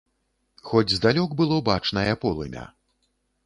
Хоць здалёк было бачнае полымя.